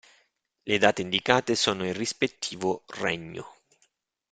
Le date indicate sono il rispettivo regno.